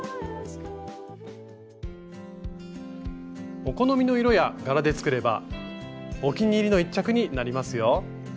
お好みの色や柄で作ればお気に入りの１着になりますよ。